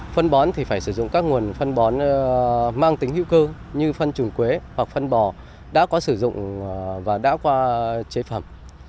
phân bón thì phải sử dụng các nguồn phân bón mang tính hữu cơ như phân trùng quế hoặc phân bò đã có sử dụng và đã qua chế phẩm